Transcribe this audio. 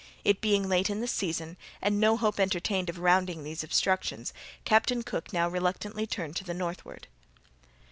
It being late in the season, and no hope entertained of rounding these obstructions, Captain Cook now reluctantly turned to the northward.